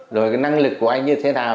rồi cái năng lực của anh như thế nào